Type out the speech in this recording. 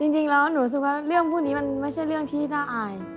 จริงแล้วหนูรู้สึกว่าเรื่องพวกนี้มันไม่ใช่เรื่องที่น่าอาย